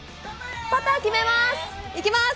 パター決めます。